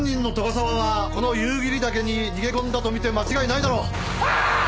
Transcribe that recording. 沢はこの夕霧岳に逃げ込んだと見て間違いないだろう。あーっ！！